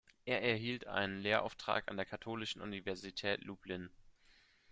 Er erhielt einen Lehrauftrag an der Katholischen Universität Lublin.